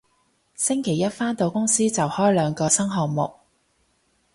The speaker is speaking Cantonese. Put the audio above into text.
星期一返到公司就開兩個新項目